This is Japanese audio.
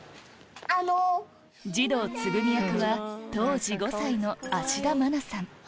児童継美役は当時５歳の芦田愛菜さん